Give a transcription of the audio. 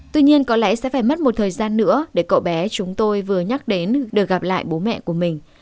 tuy nhiên có lẽ sẽ phải mất một thời gian nữa để cậu bé chúng tôi vừa nhắc đến được gặp lại bố mẹ của mình